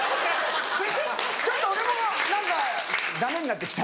ちょっと俺も何かダメになってきた。